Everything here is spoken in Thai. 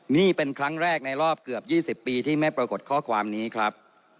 นี่เป็นครั้งแรกในรอบเกือบ๒๐ปีที่ไม่ปรากฏข้อความนี้ครับ